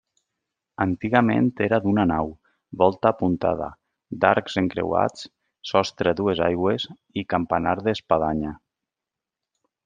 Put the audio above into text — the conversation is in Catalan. Antigament era d'una nau, volta apuntada, d'arcs encreuats, sostre a dues aigües i campanar d'espadanya.